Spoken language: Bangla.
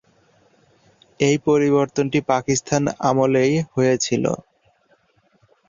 এই পরিবর্তনটি পাকিস্তান আমলেই হয়েছিল।